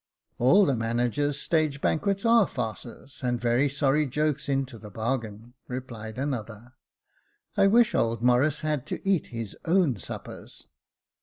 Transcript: ♦' All the manager's stage banquets are farces, and very sorry jokes into the bargain," replied another. " I wish old Morris had to eat his own suppers."